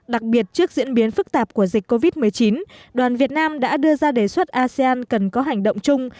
đặc biệt trước diễn biến phức tạp của dịch covid một mươi chín đoàn việt nam đã đưa ra đề xuất asean cần có hành động chung